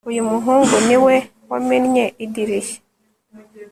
Uyu muhungu ni we wamennye idirishya